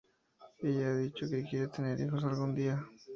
Ella ha dicho que quiere tener hijos algún día.